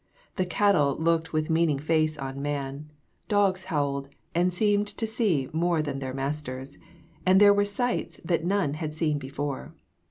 The cattle looked with meaning face on man, Dogs howled, and seemed to see more than their masters, And there were sights that none had seen before.